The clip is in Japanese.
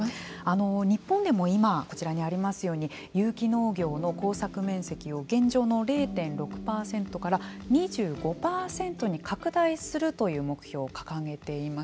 日本でも今こちらにありますように有機農業の耕作面積を現状の０．６％から２５％に拡大するという目標を掲げています。